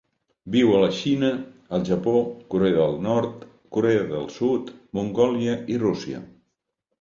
Viu a la Xina, el Japó, Corea del Nord, Corea del Sud, Mongòlia i Rússia.